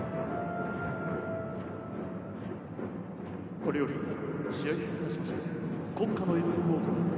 これより試合に先立ちまして国歌の演奏を行います。